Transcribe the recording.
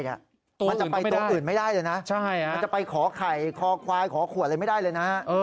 มันจะไปตัวอื่นไม่ได้เลยนะมันจะไปขอไข่คอควายขอขวดอะไรไม่ได้เลยนะ